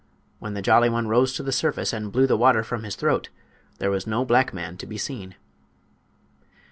When the Jolly One rose to the surface and blew the water from his throat there was no black man to be seen.